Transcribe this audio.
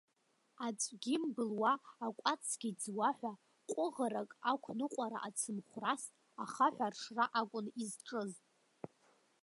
Аҵәгьы мбылуа акәацгьы ӡуа ҳәа, ҟәыӷарак ақәныҟәара ацымхәрас, ахаҳә аршра акәын изҿыз.